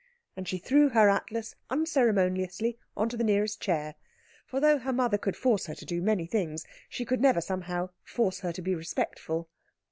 And she threw her atlas unceremoniously on to the nearest chair; for though her mother could force her to do many things, she could never, somehow, force her to be respectful.